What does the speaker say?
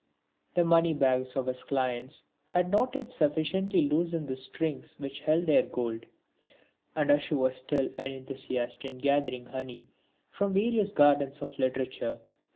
The money bags of his clients had not yet sufficiently loosened the strings which held their gold, and Ashu was still an enthusiast in gathering honey from various gardens of literature.